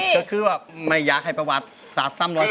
ก็คือแบบไม่อยากให้ประวัติสามารถสามร้อยสองคน